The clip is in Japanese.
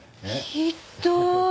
ひっどーい。